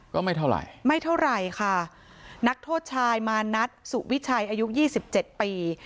ก็ไม่เท่าไหร่ไม่เท่าไหร่ค่ะนักโทษชายมานัทสุวิชัยอายุยี่สิบเจ็ดปี